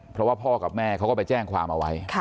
เพราะว่าพ่อกับแม่เขาก็ไปแจ้งความเอาไว้